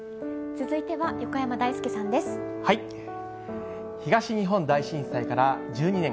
続いては横山だいすけさんで東日本大震災から１２年。